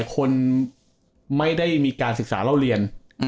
คนไม่ได้มีการศึกษาเล่าเรียน